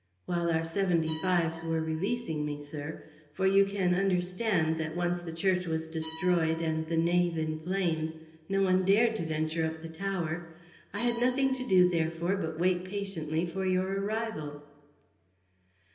"While our seventy fives were releasing me, sir; for you can understand that, once the church was destroyed and the nave in flames, no one dared to venture up the tower. I had nothing to do, therefore, but wait patiently for your arrival."